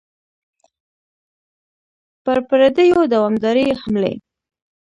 پر پردیو دوامدارې حملې.